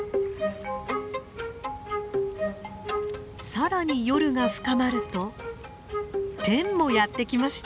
更に夜が深まるとテンもやって来ました。